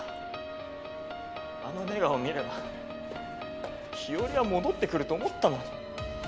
あのネガを見れば日和は戻ってくると思ったのに。